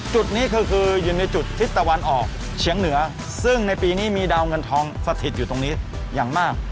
จุดนี้คืออยู่ในจุดทิศตะวันออกเฉียงเหนือซึ่งในปีนี้มีดาวเงินทองสถิตอยู่ตรงนี้อย่างมาก